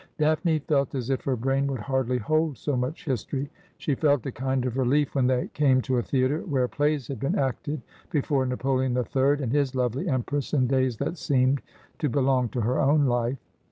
Daphne felt as if her brain would hardly hold so much history. She felt a 30 Asphodel. kind of relief when they came to a theatre, where plays had been acted before Napoleon the Third and his lovely empress in days that seemed to belong to her own life.